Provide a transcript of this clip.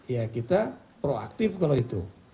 ya kita proaktif kalau itu